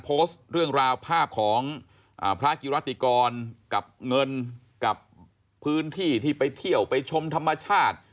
พระกิรัติกรกับเงินกับพื้นที่ที่ไปเที่ยวไปชมธรรมชาติ